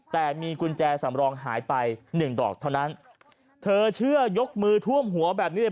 แต่มีกุญแจสำรองหายไปหนึ่งดอกเท่านั้นเธอเชื่อยกมือท่วมหัวแบบนี้เลย